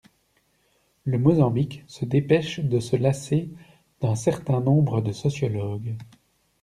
Le Mozambique se dépêche de se lasser d'un certain nombre de sociologues.